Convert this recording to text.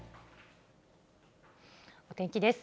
お天気です。